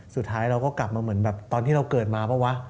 สุดท้ายเราก็กลับมาเหมือนแบบตอนที่เราเกิดมาเปล่าวะ